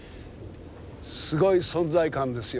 すごい存在感ですよ